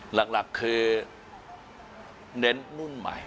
หลักคือเน้นรุ่นใหม่